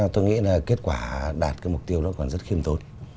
tôi nghĩ là kết quả đạt mục tiêu đó còn rất khiêm tốn